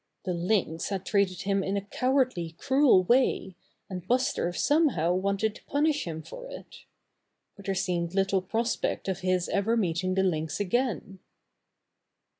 The Lynx had treated him in a cowardly, cruel way, a<id Buster somehow wanted to punish him for it. But there seemed little prospect of his ever meeting the Lynx again.